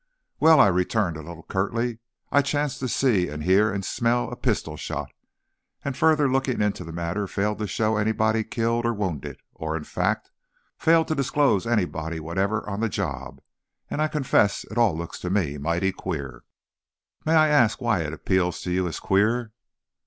"Well," I returned, a little curtly, "I chanced to see and hear and smell a pistol shot, and further looking into the matter failed to show anybody killed or wounded or in fact, failed to disclose anybody whatever on the job, and I confess it all looks to me mighty queer!" "And may I ask why it appeals to you as queer?"